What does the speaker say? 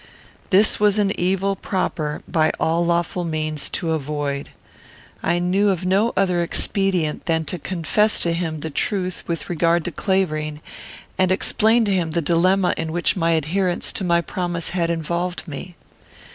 This was an evil proper, by all lawful means, to avoid. I knew of no other expedient than to confess to him the truth with regard to Clavering, and explain to him the dilemma in which my adherence to my promise had involved me.